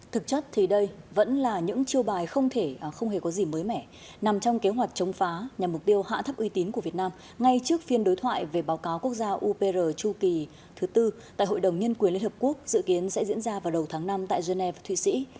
thực chất thì đây vẫn là những chiêu bài không thể không hề có gì mới mẻ nằm trong kế hoạch chống phá nhằm mục tiêu hạ thấp uy tín của việt nam ngay trước phiên đối thoại về báo cáo quốc gia upr chu kỳ thứ tư tại hội đồng nhân quyền liên hợp quốc dự kiến sẽ diễn ra vào đầu tháng năm tại geneva thụy sĩ